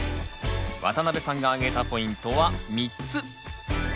渡辺さんがあげたポイントは３つ。